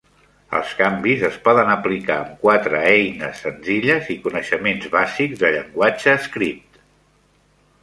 Els canvis es poden aplicar amb quatre eines senzilles i coneixements bàsics de llenguatge script.